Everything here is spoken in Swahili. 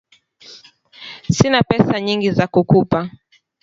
Sina pesa nyingi za kukupa